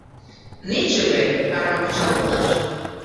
Нечыве арам кычалтылаш!